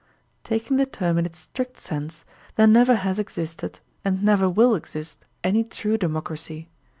Taking the term in its strict sense, there never has existed, and never will exist, any true democracy.